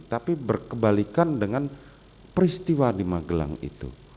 tapi berkebalikan dengan peristiwa di magelang itu